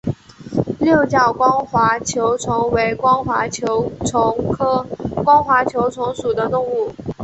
六角光滑球虫为光滑球虫科光滑球虫属的动物。